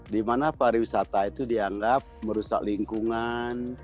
di mana pariwisata itu dianggap merusak lingkungan